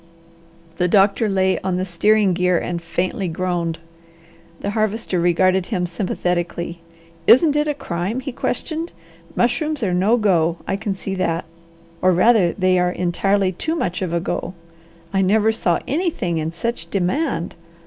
The doctor lay on the steering gear and faintly groaned. The Harvester regarded him sympathetically. "Isn't it a crime?" he questioned. "Mushrooms are no go. I can see that! or rather they are entirely too much of a go. I never saw anything in such demand.